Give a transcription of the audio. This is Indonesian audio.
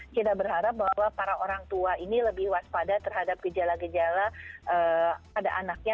kita berharap bahwa para orang tua ini lebih waspada terhadap gejala gejala pada anaknya